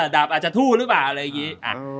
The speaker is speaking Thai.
ดาบอาจจะทู้รึเปล่า